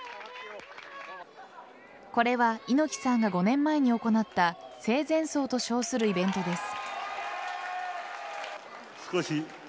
これは猪木さんが５年前に行った生前葬と称するイベントです。